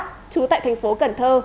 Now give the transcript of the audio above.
trú tại thành phố cần thơ